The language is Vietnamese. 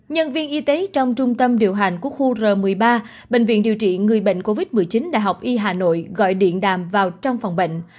nhân viên y tế trong trung tâm điều hành của khu r một mươi ba bệnh viện điều trị người bệnh covid một mươi chín đại học y hà nội gọi điện đàm vào trong phòng bệnh